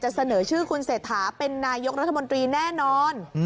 เสนอชื่อคุณเศรษฐาเป็นนายกรัฐมนตรีแน่นอน